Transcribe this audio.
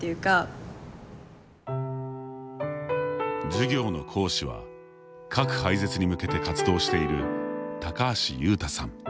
授業の講師は、核廃絶に向けて活動している高橋悠太さん。